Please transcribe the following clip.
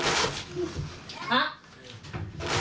あっ！